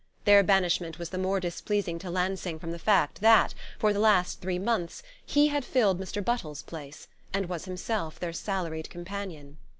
Their banishment was the more displeasing to Lansing from the fact that, for the last three months, he had filled Mr. Buttles's place, and was himself their salaried companion.